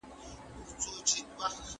د دولت عایدات په چټکۍ سره کم سول.